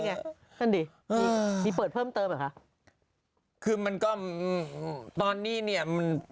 นั่นดิมีเปิดเพิ่มเติมเหรอคะคือมันก็ตอนนี้เนี่ยมัน